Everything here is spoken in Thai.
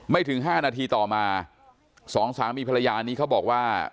ถึง๕นาทีต่อมาสองสามีภรรยานี้เขาบอกว่า